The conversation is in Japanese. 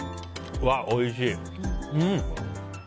うわ、おいしい。